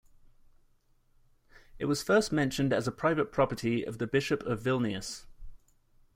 It was first mentioned as a private property of the bishop of Vilnius.